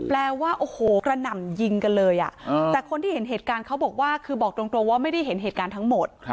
แปลว่าโอ้โหกระหน่ำยิงกันเลยแต่คนที่เห็นเหตุการณ์เขาบอกว่าคือบอกตรงว่าไม่ได้เห็นเหตุการณ์ทั้งหมด